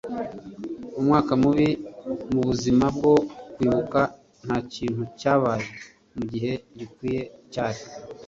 umwaka mubi mubuzima bwo kwibuka. ntakintu cyabaye mugihe gikwiye, cyari